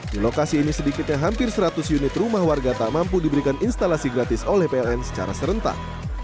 di lokasi ini sedikitnya hampir seratus unit rumah warga tak mampu diberikan instalasi gratis oleh pln secara serentak